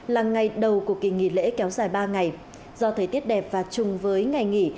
là ngày đầu của kỳ nghỉ lễ kéo dài ba ngày do thời tiết đẹp và chung với ngày nghỉ